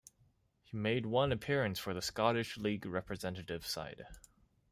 He made one appearance for the Scottish League representative side.